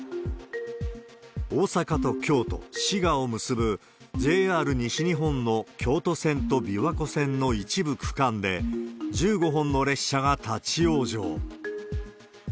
大阪と京都、滋賀を結ぶＪＲ西日本の京都線と琵琶湖線の一部区間で、１５本の列車が立往生。